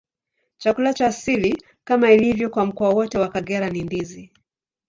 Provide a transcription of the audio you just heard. Chakula cha asili, kama ilivyo kwa mkoa wote wa Kagera, ni ndizi.